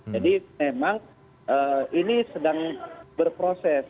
jadi memang ini sedang berproses